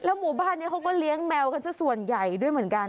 หมู่บ้านนี้เขาก็เลี้ยงแมวกันสักส่วนใหญ่ด้วยเหมือนกัน